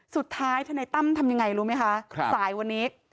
สุดท้ายธนัยตั้มทำยังไงรู้ไหมคะครับสายวันนี้